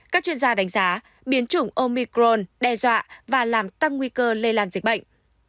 các chuyên gia đánh giá biến chủng omicron đe dọa và làm tăng nguy cơ lây lan dịch bệnh